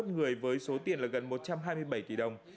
hai mươi một người với số tiền gần một trăm hai mươi bảy tỷ đồng